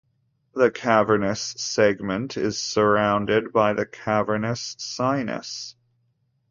The cavernous segment is surrounded by the cavernous sinus.